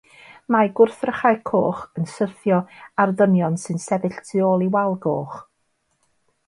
Mae gwrthrychau coch yn syrthio ar ddynion sy'n sefyll tu ôl i wal goch.